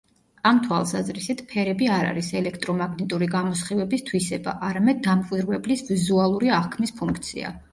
ამ თვალსაზრისით, ფერები არ არის ელექტრომაგნიტური გამოსხივების თვისება, არამედ დამკვირვებლის ვიზუალური აღქმის ფუნქციაა.